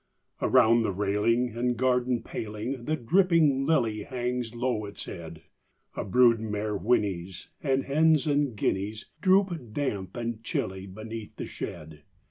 Around the railing and garden paling The dripping lily hangs low its head: A brood mare whinnies; and hens and guineas Droop, damp and chilly, beneath the shed.